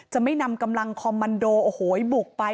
จะไม่นำกำลังคอมมันโดโอ้โหบุกไป